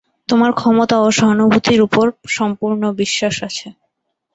তোমার ক্ষমতা ও সহানুভূতির উপর সম্পূর্ণ বিশ্বাস আছে।